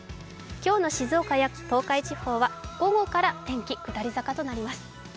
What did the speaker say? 今日の静岡や東海地方は午後から天気、下り坂となります。